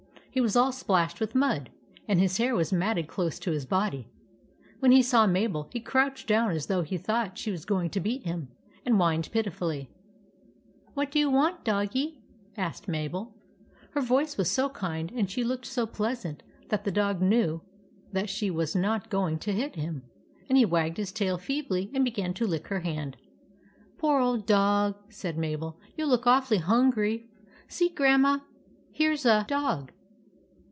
He was all splashed with mud, and his hair was matted close to his body. When he saw Mabel, he crouched down as though he thought she was going to beat him, and whined pitifully. " What do you want, doggie ?" asked Mabel. Her voice was so kind and she looked so pleasant that the dog knew that she was not going to hit him, and he wagged his tail feebly and began to lick her hand. " Poor old dog," said Mabel. " You look awfully hungry. See, Grandma, here's a dog."